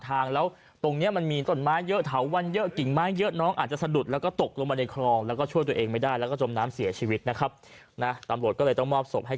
ก็เลยให้คุณแม่นำไปประกอบทีทีต่อไป